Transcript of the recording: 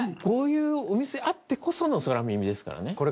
こういうお店あってこその空耳ですからね。